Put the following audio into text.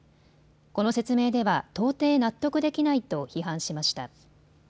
この説明では到底納得できないと批判しました。